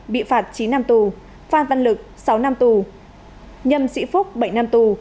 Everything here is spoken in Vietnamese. bị phạt chín năm tù phan văn lực sáu năm tù nhâm sĩ phúc bảy năm tù